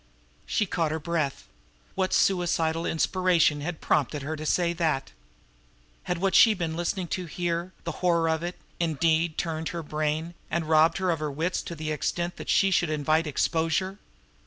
She caught her breath. What suicidal inspiration had prompted her to say that! Had what she had been listening to here, the horror of it, indeed turned her brain and robbed her of her wits to the extent that she should invite exposure?